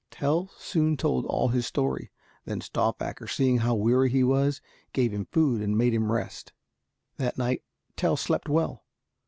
Tell soon told all his story. Then Stauffacher, seeing how weary he was, gave him food and made him rest. That night Tell slept well.